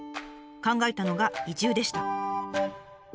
考えたのが移住でした。